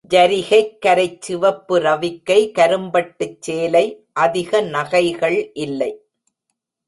ஜரிகைக் கரைச் சிவப்பு ரவிக்கை, கரும்பட்டுச் சேலை, அதிக நகைகள் இல்லை.